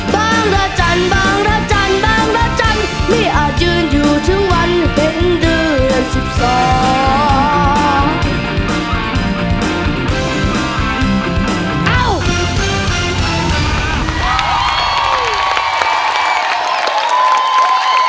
บางระจันทร์บางระจันทร์บางระจันทร์ไม่อาจยืนอยู่ถึงวันเป็นเดือนสิบสอง